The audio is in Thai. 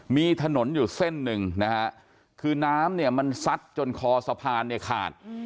มีถนนอยู่เส้นหนึ่งนะฮะคือน้ำเนี่ยมันซัดจนคอสะพานเนี่ยขาด